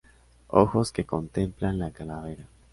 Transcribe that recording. Ojos que contemplan la calavera.